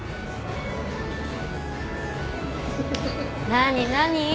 何何？